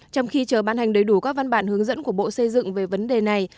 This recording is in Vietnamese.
trong khi chờ ban hành đầy đủ các văn bản hướng dẫn của bộ xây dựng về vấn đề này